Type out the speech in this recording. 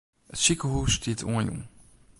It sikehûs stiet oanjûn.